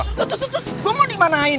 terus terus terus gue mau dimanain